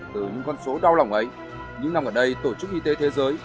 từ những con số đau lòng ấy những năm gần đây tổ chức y tế thế giới